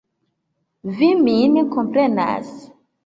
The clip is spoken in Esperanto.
Vi min komprenas.